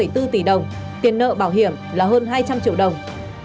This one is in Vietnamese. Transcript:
tiền nợ bảo hiểm là hơn hai trăm linh triệu đồng